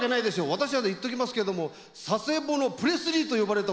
私はね言っときますけども佐世保のプレスリーと呼ばれた男です。